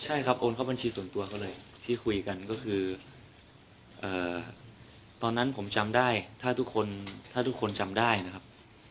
ใช่ครับโอนเข้าบัญชีส่วนตัวเขาเลยที่คุยกันก็คือตอนนั้นผมจำได้ถ้าทุกคนถ้าทุกคนจำได้นะครับ